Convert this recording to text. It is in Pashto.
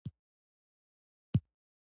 خپل جوماتونه او هدیرې یې په خپله فتحه کولې.